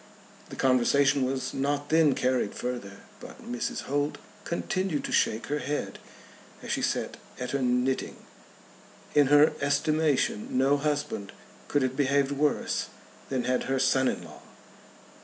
The conversation was not then carried further, but Mrs. Holt continued to shake her head as she sate at her knitting. In her estimation no husband could have behaved worse than had her son in law.